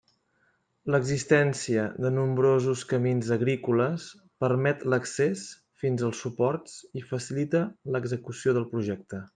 L'existència de nombrosos camins agrícoles permet l'accés fins als suports i facilita l'execució del projecte.